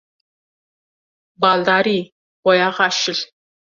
Baldarî! Boyaxa şil.